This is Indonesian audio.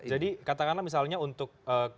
jadi katakanlah misalnya untuk